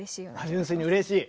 純粋にうれしい？